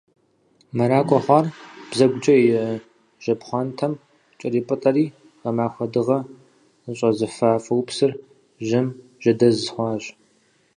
Мэракӏуэ хъуар, бзэгукӏэ и жьэпхъуантэм кӏэрипӏытӏэри, гъэмахуэ дыгъэ зыщӏэзыфа фоупсыр, жьэм жьэдэз хъуащ.